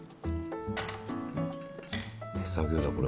手作業だこれも。